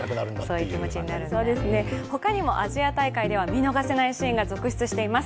他にもアジア大会では見逃せないシーンが続出しています。